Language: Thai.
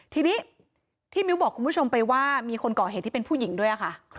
ทีนี้ที่มิ้วบอกคุณผู้ชมไปว่ามีคนก่อเหตุที่เป็นผู้หญิงด้วยค่ะ